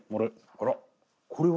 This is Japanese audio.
あらこれは？